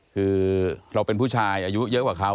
คือเราเป็นผู้ชายอายุเยอะกว่าเขา